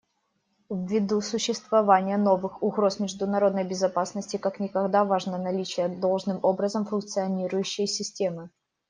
Ввиду существования новых угроз международной безопасности как никогда важно наличие должным образом функционирующей системы.